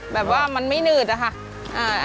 แบบว่ามันไม่หนืดอะค่ะ